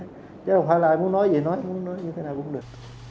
chứ không phải là ai muốn nói gì nói muốn nói như thế nào cũng được